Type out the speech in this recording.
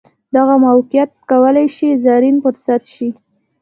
دغه موقیعت کولای شي زرین فرصت شي.